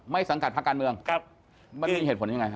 ไม่สังกัดภาคการเมืองเข้ามีเหตุผลยังไงครับ